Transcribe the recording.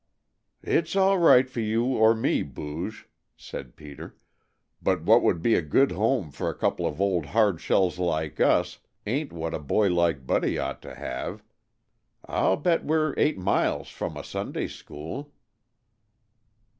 "It's all right for you or me, Booge," said Peter, "but what would be a good home for a couple of old hard shells like us ain't what a boy like Buddy ought to have. I'll bet we 're eight miles from a Sunday school."